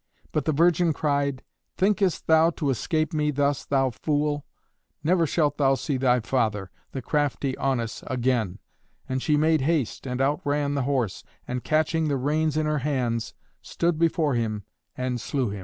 But the virgin cried, "Thinkest thou to escape me thus, thou fool? Never shalt thou see thy father, the crafty Aunus, again." And she made haste and outran the horse, and catching the reins in her hands, stood before him and slew him.